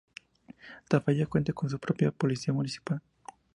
Tafalla cuenta con su propia Policía Municipal.